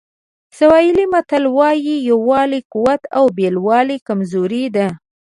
سواهیلي متل وایي یووالی قوت او بېلوالی کمزوري ده.